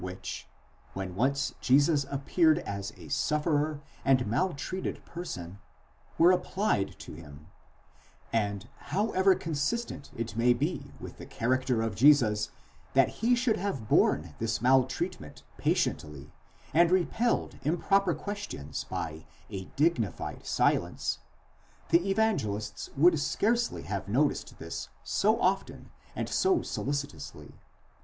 which, when once Jesus appeared as a sufferer and maltreated person, were applied to him; and however consistent it may be with the character of Jesus that he should have borne this maltreatment patiently, and repelled improper questions by a dignified silence: the Evangelists would scarcely have noticed this so often and so solicitously